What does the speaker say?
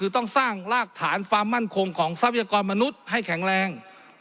คือต้องสร้างรากฐานความมั่นคงของทรัพยากรมนุษย์ให้แข็งแรง